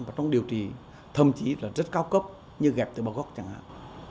và trong điều trị thậm chí là rất cao cấp như ghẹp từ bờ góc chẳng hạn